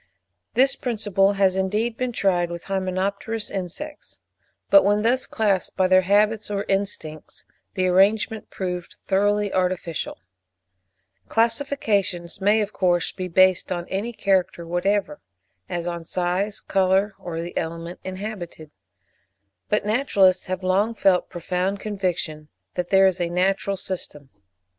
This principle has indeed been tried with hymenopterous insects; but when thus classed by their habits or instincts, the arrangement proved thoroughly artificial. (3. Westwood, 'Modern Classification of Insects,' vol. ii. 1840, p. 87.) Classifications may, of course, be based on any character whatever, as on size, colour, or the element inhabited; but naturalists have long felt a profound conviction that there is a natural system.